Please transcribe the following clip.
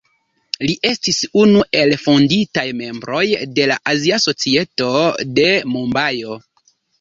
Li estis unu el fondintaj membroj de la Azia Societo de Mumbajo.